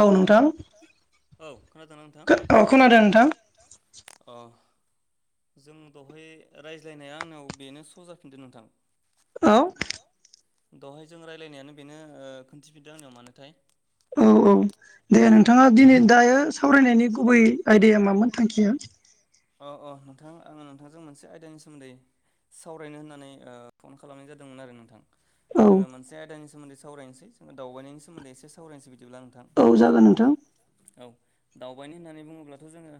औ नोंथां औ खोनादोंना नोंथां औ खोनादों नोंथां अ जों दहाय रायज्लायनाया आंनाव बेनो स' जाफिनदो नोंथां। औ दहाय जों रायज्लायनायानो बेनो ओ खोनन्थिफिनदों आंनियाव मानोथाय। औ औ दे नोंथांङा दिनै दायो सावरायनायनि गुबै आयदाया मामोन थांखिया? अ औ नोंथां आंङो नोंथांजों मोनसे आयदानि सोमोन्दै सावरायनो होननानै ओ फन खालामनाय जादोंमोन आरो नोंथां। औ जोंङो मोनसे आदानि सोमोन्दै सावरायनोसै जोंङो दावबायनायनि सोमोन्दै एसे सावरायसै बि दिब्ला नोंथां औ जागोन नोंथां औ दावबायनाय होननानै बुङोब्लाथ' जोङो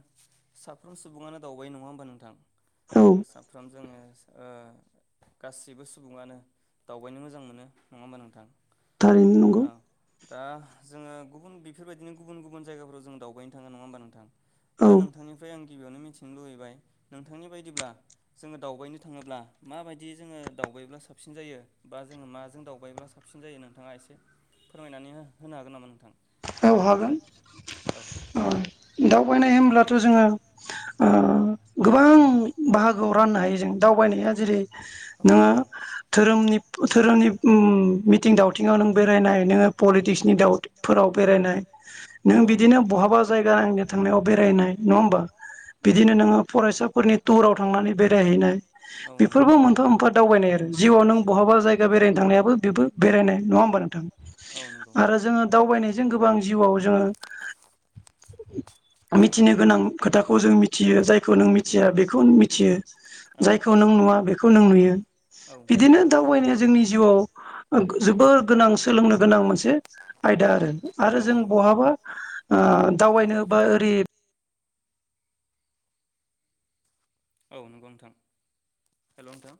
साफ्रोम सुबुङानो दावबायो नङा होमबा नोंथां औ साफ्रोम जोङो ओ गासिबो सुबुङानो दावबायनो मोजां मोनो नङा होमबा नोंथां। थारैनो नंगौ औ दा जोङो गुबुन बेफोरबायदिनो गुबुन गुबुन जायगाफोराव जों दावबायनो थाङो नङा होमबा नोंथां औ दा नोंथांनिफ्राय आं गिबियावनो मिथिनो लुुबैबाय नोंथांनि बायदिब्ला जोङो दावबायनो थाङोब्ला माबायदि जोङो दाव बायायोब्ला साबसिन जायो बा जोङो माजों दावबायोब्ला साबसिन जायो नोंथाङा एसे फोरमायनानै हो-होनो हागोन नामा नोंथां? औ हागोन औ अ दाव बायनाय होमब्लाथ' जोङो ओ गोबां बाहागोआव राननो हायो जों दावबायनाया जेरै औ नोङो धोरोमनि धोरोमनि उम मिथिं दावथिंआव नों बेरायनाय नोङो पलिटिक्सनि दाउटफोराव बेरायनाय नों औ बिदिनो बहाबा जायगा आंनि थांनायाव बेरायनाय नङा होमबा बिदिनो नोङो फरायसाफोरनि टुराव थांनानै बेरायहैनाय औ नंगौ बेफोरबो मोनफा मोनफा दावबायनाय आरो जिउआव नों बहाबा जायगा बेरायनो थांनायाबो बेबो बेरायनाय नङा होमबा नोंथां औ नंगौ आरो जोङो दावबायनायजों गोबां जिउआव जोङो मिथिनो गोनां खोथाखौ जों मिथियो जायखौ नों मिथिया बेखौनो मिथियो। औ जायखौ नों नुवा बेखौ नों नुयो औ बिदिनो दावबायनाया जोंनि जिउआव जोबोर गोनां सोलोंनो गोनां मोनसे आयदा आरो आरो औ जों नंगौ नोंथां बहाबा ओ दावबायनो बा ओरै औ नंगौ नोंथां हेलौ नोंथां